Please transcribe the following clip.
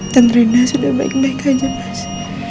dan rina sudah baik baik saja mas